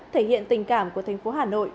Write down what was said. thể hiện tình cảm của thành phố hà nội